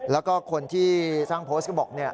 แล้วก็คนที่สร้างโพสต์ก็บอก